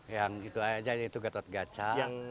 yang itu aja yaitu gatot gaca